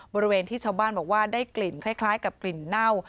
บริเวณที่ชาวบ้านบอกว่าได้กลิ่นคล้ายกับกลิ่นเน่า